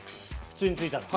普通に撞いたら。